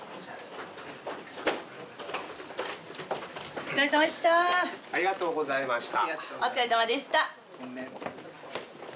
お疲れさまでしたありがとうございましたお疲れさまでした！